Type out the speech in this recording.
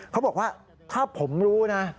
เขาบอกว่าถ้าผมรู้นะ